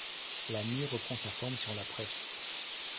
La mie reprend sa forme si on la presse.